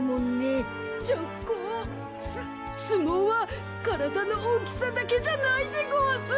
すすもうはからだのおおきさだけじゃないでごわす。